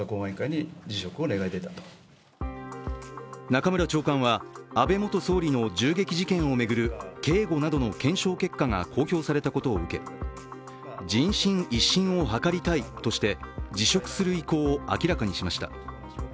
中村長官は、安倍元総理の銃撃事件を巡る警護などの検証結果が公表されたことを受け、人心一新を図りたいとして辞職する意向を明らかにしました。